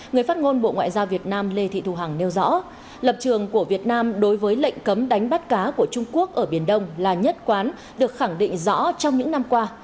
người phát ngôn bộ ngoại giao việt nam lê thị thu hằng nêu rõ lập trường của việt nam đối với lệnh cấm đánh bắt cá của trung quốc ở biển đông là nhất quán được khẳng định rõ trong những năm qua